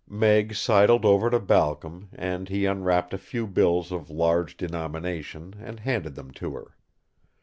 Meg sidled over to Balcom and he unwrapped a few bills of large denomination and handed them to her.